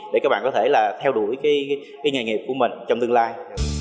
để các bạn có thể là theo đuổi cái nghề nghiệp của mình trong tương lai